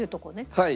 はい。